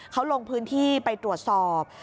เขาลงพื้นที่ไปตรวจสอบ